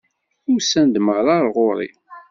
Usan-d meṛṛa ar ɣur-i!